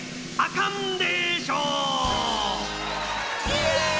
イエイ！